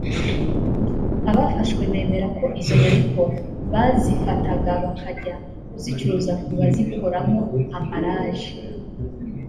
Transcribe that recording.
Abafashwe bemera ko izo nyandiko bazifataga bakajya kuzicuruza ku bazikoramo ambalaje